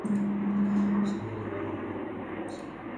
সোহেলের বাবার নাম মনির হোসেন।